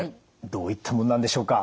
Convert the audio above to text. どういったものなんでしょうか。